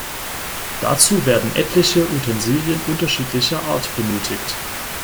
Dazu werden etliche Utensilien unterschiedlicher Art benötigt.